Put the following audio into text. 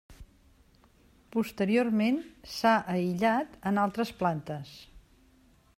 Posteriorment s'ha aïllat en altres plantes.